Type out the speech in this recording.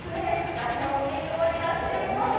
だしのいい香りがしています。